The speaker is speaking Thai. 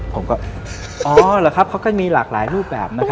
ผมก็อ๋อเหรอครับเขาก็มีหลากหลายรูปแบบนะครับ